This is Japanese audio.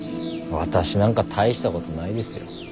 私なんか大したことないですよ。